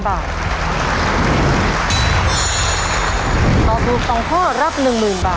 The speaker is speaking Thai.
หรือต่อถูกสองข้อรับ๑หมื่นบาท